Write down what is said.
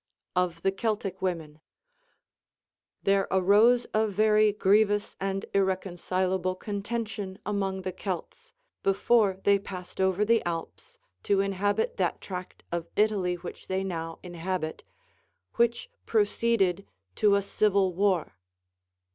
Of the Celtic Women, There arose a very grievous and irreconcilable conten tion among the Celts, before they passed over the Alps to inhabit that tract of Italy which now they inhabit, which proceeded to a civil war.